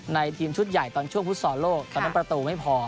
ทีมชุดใหญ่ตอนช่วงฟุตซอลโลกตอนนั้นประตูไม่พอ